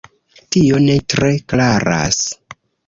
Tio ne tre klaras.